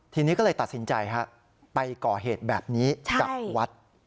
ทีนี้ก็เลยตัดสินใจไปก่อเหตุแบบนี้กับวัด